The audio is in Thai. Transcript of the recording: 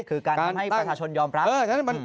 คือการทำให้ประชาชนยอมรับ